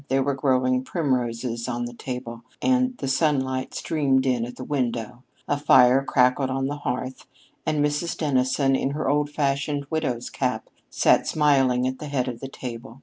There were growing primroses on the table, and the sunlight streamed in at the window. A fire crackled on the hearth; and Mrs. Dennison, in her old fashioned widow's cap, sat smiling at the head of her table.